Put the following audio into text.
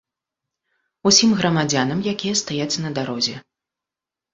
Усім грамадзянам, якія стаяць на дарозе.